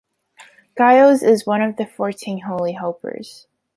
Giles is one of the Fourteen Holy Helpers.